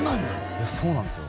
いやそうなんですよ